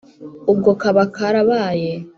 Ubwo kaba karabaye